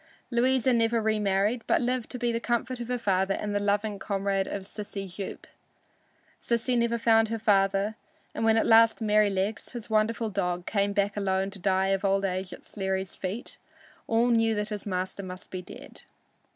Louisa never remarried, but lived to be the comfort of her father and the loving comrade of Sissy Jupe. Sissy never found her father, and when at last Merrylegs, his wonderful dog, came back alone to die of old age at Sleary's feet, all knew that his master must be dead.